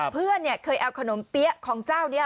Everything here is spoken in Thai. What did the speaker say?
เพื่อนเนี่ยเคยเอาขนมเปี้ยของเจ้านี่อ่ะ